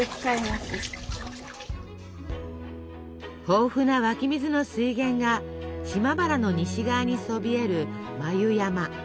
豊富な湧き水の水源が島原の西側にそびえる眉山。